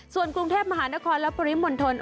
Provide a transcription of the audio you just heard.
ส่วนกรุงเทพมหานครและปริมณฑล